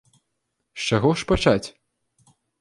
З чаго ж пачаць?